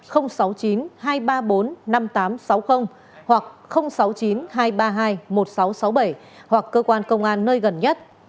hoặc sáu mươi chín hai trăm ba mươi hai một nghìn sáu trăm sáu mươi bảy hoặc cơ quan công an nơi gần nhất